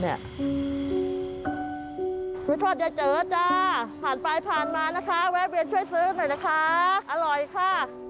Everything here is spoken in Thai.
ทอดยายเจ๋อจ้าผ่านไปผ่านมานะคะแวะเวียนช่วยซื้อหน่อยนะคะอร่อยค่ะ